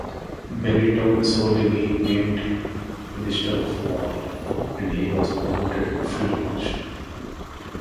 Benito Mussolini named him Minister of War, and he was promoted to Field Marshal.